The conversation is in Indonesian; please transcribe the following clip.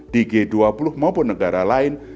di g dua puluh maupun negara lain